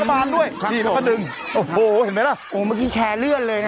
มันใส่ด้วยดีแล้วก็ดึงโอ้โหเห็นไหมล่ะโอ้เมื่อกี้แชร์เลื่อนเลยนะฮะ